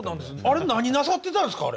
あれ何なさってたんですか？